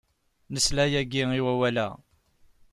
Nesla yagi i wawal-a.